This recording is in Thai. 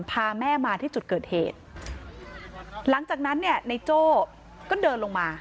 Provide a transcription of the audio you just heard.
พาแม่มาที่จุดเกิดเหตุหลังจากนั้นเนี่ยในโจ้ก็เดินลงมา